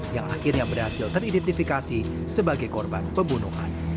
yang akhirnya berhasil teridentifikasi sebagai korban pembunuhan